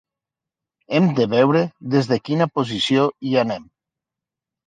Hem de veure des de quina posició hi anem.